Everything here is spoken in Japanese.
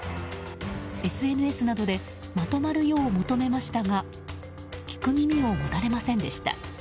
ＳＮＳなどでまとまるよう求めましたが聞く耳を持たれませんでした。